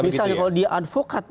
misalnya kalau dia advokat